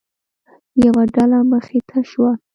یوه ډله مخې ته شوه.